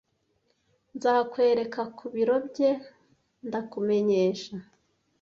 Nzakwereka ku biro bye ndakumenyesha